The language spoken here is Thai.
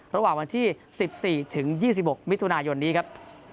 ระหว่างวันที่๑๔ถึง๒๖มิถุนายนนี้ครับ